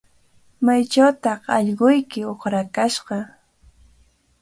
¿Maychawtaq allquyki uqrakashqa?